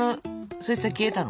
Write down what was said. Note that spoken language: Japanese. そいつは消えたの？